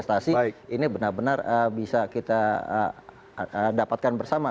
untuk prestasi ini benar benar bisa kita dapatkan bersama